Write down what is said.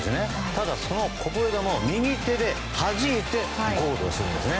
ただ、そのこぼれ球を右手ではじいてゴールをするんです。